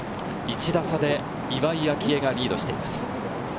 １打差で岩井明愛がリードしています。